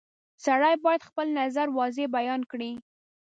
• سړی باید خپل نظر واضح بیان کړي.